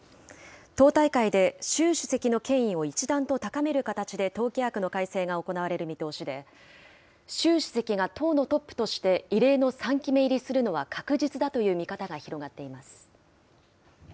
党大会で習主席の権威を一段と高める形で、党規約の改正が行われる見通しで、習主席が党のトップとして異例の３期目入りするのは確実だという見方が広がっています。